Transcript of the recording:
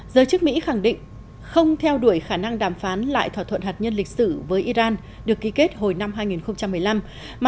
giới chức mỹ khẳng định không theo đuổi khả năng đàm phán lại thỏa thuận hạt nhân lịch sử với iran được ký kết hồi năm hai nghìn một mươi năm